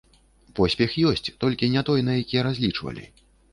Поспех ёсць, толькі не той, на які разлічвалі.